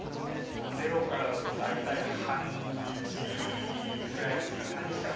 ゼロからだと大体半日ぐらいですかね。